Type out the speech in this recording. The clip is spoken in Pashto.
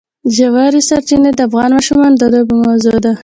ژورې سرچینې د افغان ماشومانو د لوبو موضوع ده.